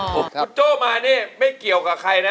คุณโจ้มานี่ไม่เกี่ยวกับใครนะ